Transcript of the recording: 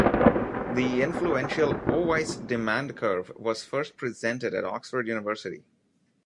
The influential Oweiss Demand Curve was first presented at Oxford University.